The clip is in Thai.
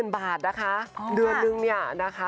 ๐บาทนะคะเดือนนึงเนี่ยนะคะ